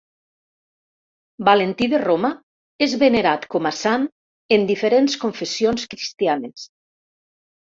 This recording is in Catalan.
Valentí de Roma és venerat com a sant en diferents confessions cristianes.